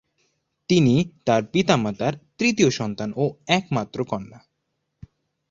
তিনি তার পিতামাতার তৃতীয় সন্তান ও একমাত্র কন্যা।